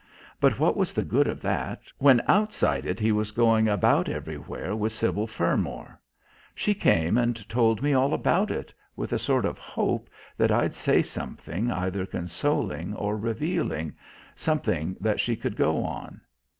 But what was the good of that, when outside it he was going about everywhere with Sybil Fermor? She came and told me all about it, with a sort of hope that I'd say something either consoling or revealing, something that she could go on.